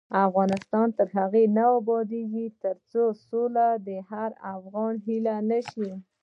افغانستان تر هغو نه ابادیږي، ترڅو سوله د هر افغان هیله نشي.